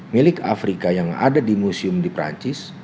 milik afrika yang ada di museum di perancis